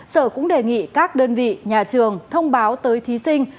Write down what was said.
sở cũng đề nghị các đơn vị nhà trường thông báo tới thí sinh